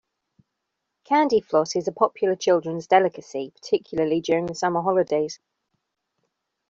Candyfloss is a popular children's delicacy, particularly during the summer holidays